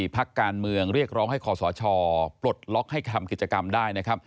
พักการเมืองเรียกร้องให้คอสชปลดล็อกให้ทำกิจกรรมได้นะครับ